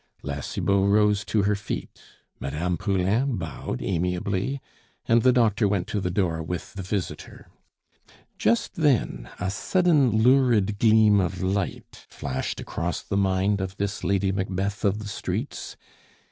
La Cibot rose to her feet, Mme. Poulain bowed amiably, and the doctor went to the door with the visitor. Just then a sudden, lurid gleam of light flashed across the mind of this Lady Macbeth of the streets.